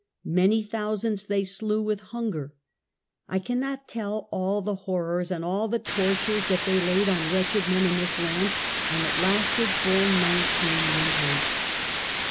... Many thousands they slew with hunger. I cannot tell all the horrors and all the tortures that they laid on wretched men in this land; and it lasted full nineteen winters."